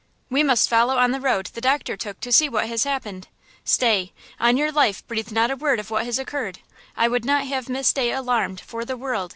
We must follow on the road the doctor took to see what has happened! Stay! On your life, breathe not a word of what has occurred! I would not have Miss Day alarmed for the world!"